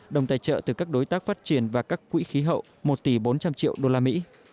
đồng tài trợ từ các đối tác phát triển và các quỹ khí hậu một tỷ bốn trăm linh triệu usd